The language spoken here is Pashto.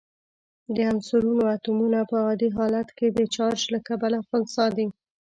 د عنصرونو اتومونه په عادي حالت کې د چارج له کبله خنثی دي.